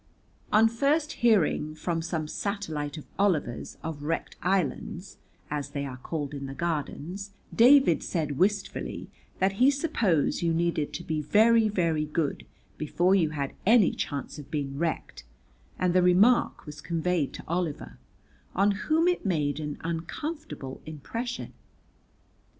On first hearing, from some satellite of Oliver's, of Wrecked Islands, as they are called in the Gardens, David said wistfully that he supposed you needed to be very very good before you had any chance of being wrecked, and the remark was conveyed to Oliver, on whom it made an uncomfortable impression.